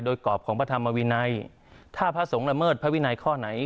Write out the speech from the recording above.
โดยกรอบของพระธรรมวินัยถ้าพระสงฆ์ละเมิดพระวินัยข้อไหน